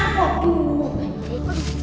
waduh ini kok disini